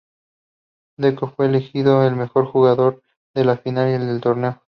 Deco fue elegido el mejor jugador de la final y del torneo.